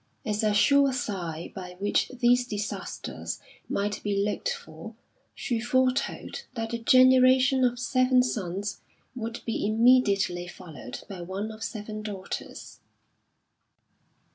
As a sure sign by which these disasters might be looked for, she foretold that a generation of seven sons would be immediately followed by one of seven daughters.